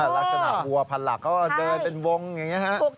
ลักษณะวัวพันหลักเขาก็เดินเป็นวงอย่างนี้ฮะ